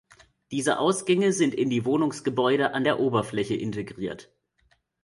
Diese Ausgänge sind in die Wohngebäude an der Oberfläche integriert.